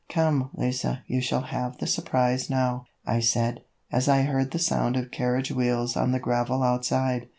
"Come, Lise, you shall have the surprise now," I said, as I heard the sound of carriage wheels on the gravel outside.